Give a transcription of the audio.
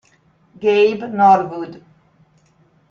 Gabe Norwood